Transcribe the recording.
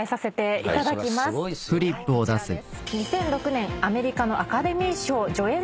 こちらです。